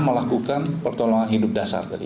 melakukan pertolongan hidup dasar